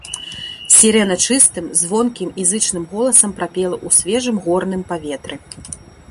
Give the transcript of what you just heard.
Сірэна чыстым, звонкім і зычным голасам прапела ў свежым горным паветры.